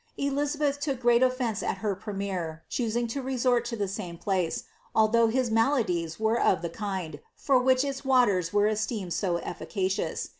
Elizabeth took great ofience It her premier choosing to resort to the same place, although his mala bes were of the kind for which its waters were esteemed so efficacious.